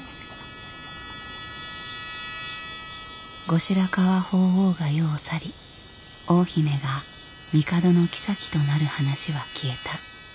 後白河法皇が世を去り大姫が帝の后となる話は消えた。